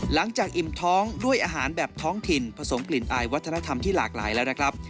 อิ่มท้องด้วยอาหารแบบท้องถิ่นผสมกลิ่นอายวัฒนธรรมที่หลากหลายแล้วนะครับ